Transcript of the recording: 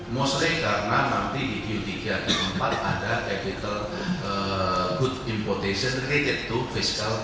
mungkin karena nanti di q tiga q empat ada impotensi yang baik terhadap penggunaan kapital fiskal